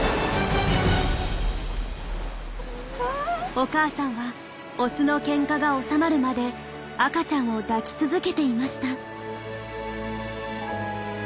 お母さんはオスのケンカが収まるまで赤ちゃんを抱き続けていました。